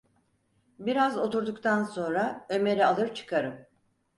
Biraz oturduktan sonra Ömer’i alır çıkarım.